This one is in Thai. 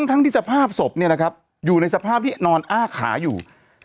ทั้งที่สภาพศพอยู่ในสภาพที่นอนอ้าขาอยู่